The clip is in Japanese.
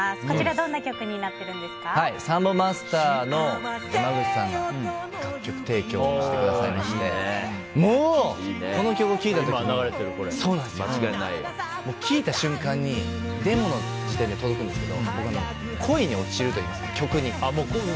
どんな曲になってるんですかサンボマスターの山口さんが楽曲提供してくださいましてもうこの曲聴いた時に聴いた瞬間にデモの時点で届くんですけど僕、恋に落ちるといいますか曲に。